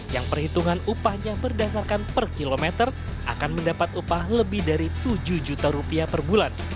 yang perhitungan upahnya berdasarkan per kilometer akan mendapat upah lebih dari tujuh juta rupiah per bulan